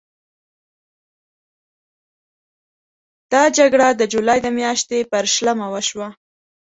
دا جګړه د جولای د میاشتې پر شلمه وشوه.